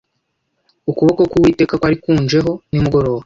ukuboko k uwiteka kwari kunjeho nimugoroba